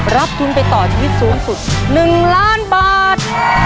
รับทุนไปต่อชีวิตสูงสุด๑ล้านบาท